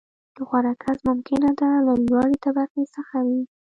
• غوره کس ممکنه ده، له لوړې طبقې څخه وي.